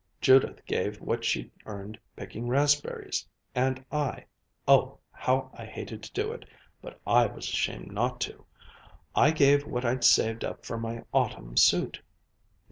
Judith gave what she'd earned picking raspberries, and I oh, how I hated to do it! but I was ashamed not to I gave what I'd saved up for my autumn suit.